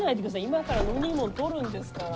今から飲み物取るんですから。